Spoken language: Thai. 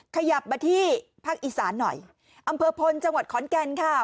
ขยับมาที่ภาคอีสานหน่อยอำเภอพลจังหวัดขอนแก่นค่ะ